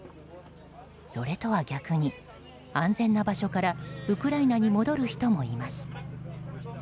それとは逆に安全な場所からウクライナに戻る人もいます。